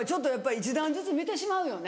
１段ずつ見てしまうよね。